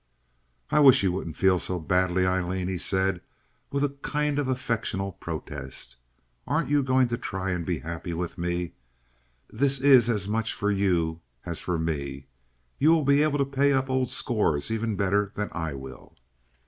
"I wish you wouldn't feel so badly, Aileen," he said, with a kind of affectional protest. "Aren't you going to try and be happy with me? This is as much for you as for me. You will be able to pay up old scores even better than I will."